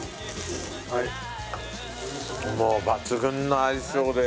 もう抜群の相性ですね。